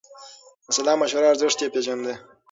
د سلا مشورو ارزښت يې پېژانده.